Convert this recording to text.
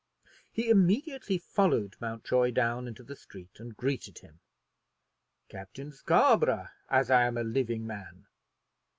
He immediately followed Mountjoy down into the street and greeted him. "Captain Scarborough as I am a living man!"